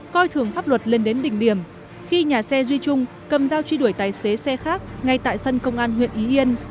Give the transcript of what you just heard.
coi thường pháp luật lên đến đỉnh điểm khi nhà xe duy trung cầm dao truy đuổi tài xế xe khác ngay tại sân công an huyện ý yên